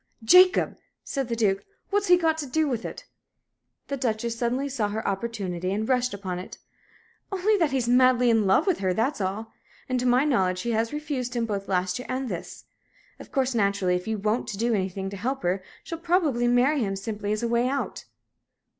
"Jacob!" said the Duke. "What's he got to do with it?" The Duchess suddenly saw her opportunity, and rushed upon it. "Only that he's madly in love with her, that's all. And, to my knowledge, she has refused him both last year and this. Of course, naturally, if you won't do anything to help her, she'll probably marry him simply as a way out."